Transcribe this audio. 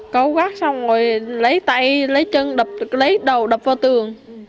cấu gắt xong rồi lấy tay lấy chân lấy đầu đập vào tường